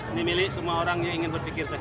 ini milik semua orang yang ingin berpikir